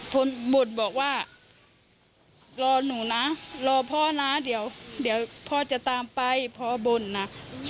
บ่นบอกว่ารอหนูนะรอพ่อนะเดี๋ยวพ่อจะตามไปพ่อบ่นนะ